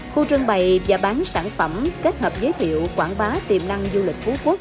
khu trưng bày và bán sản phẩm kết hợp giới thiệu quảng bá tiềm năng du lịch phú quốc